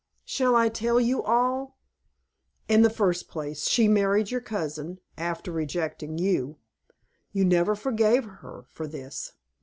"Shall I tell you all? In the first place she married your cousin, after rejecting you. You never forgave her for this.